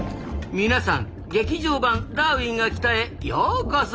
みなさん「劇場版ダーウィンが来た！」へようこそ。